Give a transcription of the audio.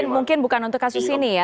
mungkin bukan untuk kasus ini ya